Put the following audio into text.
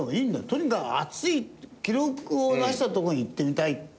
とにかく暑い記録を出した所に行ってみたい。